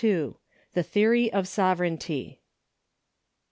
THE THEORY OF SOVEREIGNTY.